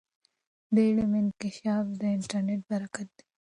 د علم انکشاف د انټرنیټ برکت دی.